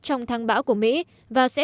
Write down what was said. trong thăng bão của mỹ và sẽ